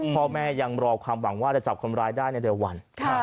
พ่อแม่ยังรอความหวังว่าจะจับคนร้ายได้ในเร็ววัน